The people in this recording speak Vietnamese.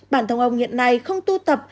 bản thân ông hiện nay không tu tập